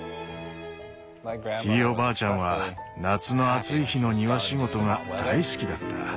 ひいおばあちゃんは夏の暑い日の庭仕事が大好きだった。